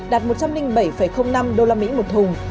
đạt một trăm linh bảy năm usd một thùng